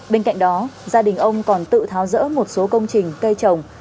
bên cạnh đó gia đình ông còn tự tháo rỡ một số công trình cây trồng